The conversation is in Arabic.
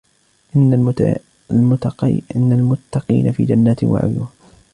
إن المتقين في جنات وعيون